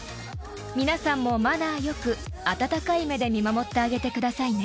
［皆さんもマナーよく温かい目で見守ってあげてくださいね］